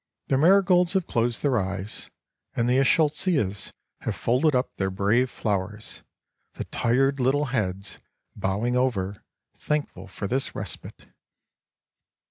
The marigolds have closed their eyes, and the eschscholtzias have folded up their brave flowers, the tired little heads bowing over, thankful for this respite.